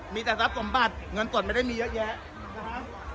มีแต่ทรัพย์สมบัติเงินสดไม่ได้มีเยอะแยะนะครับ